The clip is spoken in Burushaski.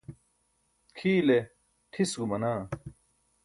kʰiile ṭhis gumanaa